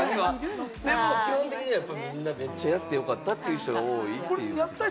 でも基本的には、みんな、めっちゃやってよかったという人が多い。